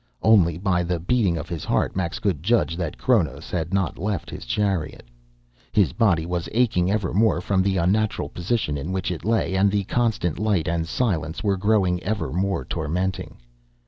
Only by the beating of his heart Max could judge that Chronos had not left his chariot. His body was aching ever more from the unnatural position in which it lay, and the constant light and silence were growing ever more tormenting.